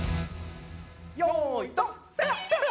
よーい、どん。